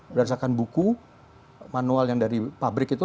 berdasarkan buku manual yang dari pabrik itu